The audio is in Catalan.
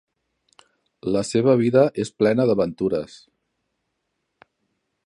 La seva vida és plena d'aventures.